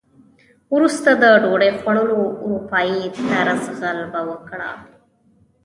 وروسته د ډوډۍ خوړلو اروپايي طرز غلبه وکړه.